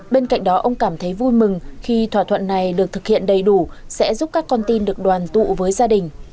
bên cạnh đó ông cảm thấy vui mừng khi thỏa thuận này được thực hiện đầy đủ sẽ giúp các con tin được đoàn tụ với gia đình